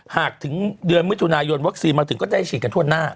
หากถึงเดือนมิถุนายนวัคซีนมาถึงก็ได้ฉีดกันทั่วหน้า